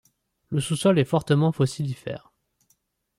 Le sous-sol est fortement fossilifère.